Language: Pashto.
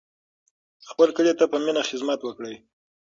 خپل کلي ته په مینه خدمت وکړئ.